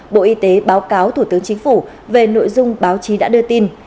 bộ y tế báo cáo thủ tướng chính phủ về nội dung báo chí đã đưa tin